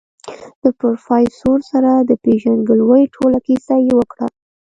د پروفيسر سره د پېژندګلوي ټوله کيسه يې وکړه.